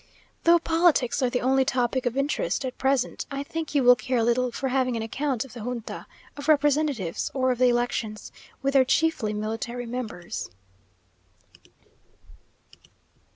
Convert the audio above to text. Though politics are the only topic of interest at present, I think you will care little for having an account of the Junta of Representatives, or of the elections, with their chiefly military members.